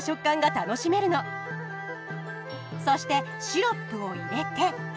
そしてシロップを入れて。